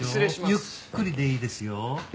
ゆっくりでいいですよ。